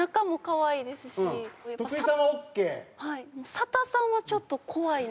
佐田さんはちょっと怖いな。